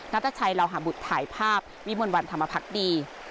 นัตรชัยเราหาบุตรถ่ายภาพวิมวรวรรณธรรมพักษ์ดี